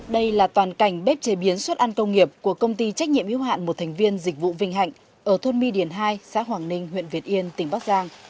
đây là toàn cảnh bếp chế biến xuất ăn công nghiệp của công ty trách nhiệm hiếu hạn một thành viên dịch vụ vinh hạnh ở thôn my điền hai xã hoàng ninh huyện việt yên tỉnh bắc giang